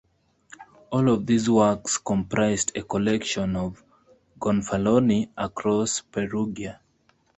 All of these works comprised a collection of "gonfaloni" across Perugia.